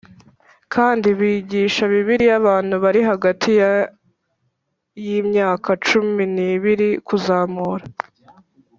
Kandi bigisha bibiliya abantu bari hagati ya yimyaka cuminibiri kuzamura